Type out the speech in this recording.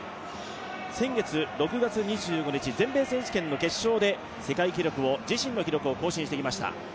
先月６月２５日全米選手権の決勝で自身の記録を更新してきました。